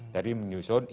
jadi menyusun indikator